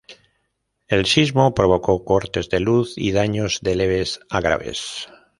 El sismo provocó cortes de luz y daños de leves a graves.